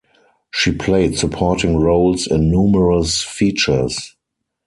She played supporting roles in numerous features.